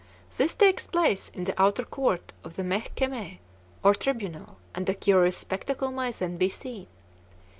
This takes place in the outer court of the 'Mehkemeh,' or tribunal, and a curious spectacle may then be seen.